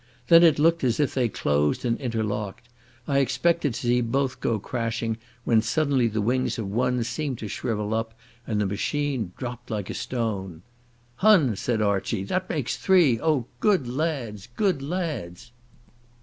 Then it looked as if they closed and interlocked. I expected to see both go crashing, when suddenly the wings of one seemed to shrivel up, and the machine dropped like a stone. "Hun," said Archie. "That makes three. Oh, good lads! Good lads!"